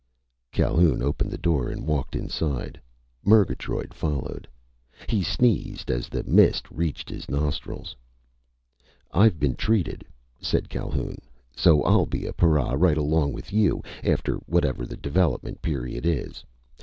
Calhoun opened the door and walked inside. Murgatroyd followed. He sneezed as the mist reached his nostrils. "Ive been treated," said Calhoun, "so I'll be a para right along with you, after whatever the development period is.